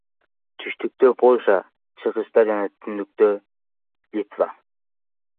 Түштүктө — Польша, чыгышта жана түндүктө — Литва.